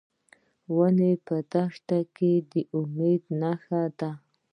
ونه په دښته کې د امید نښه ده.